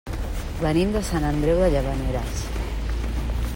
Venim de Sant Andreu de Llavaneres.